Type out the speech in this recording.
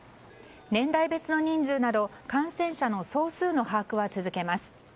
年代別の人数など感染者の総数の把握は続けます。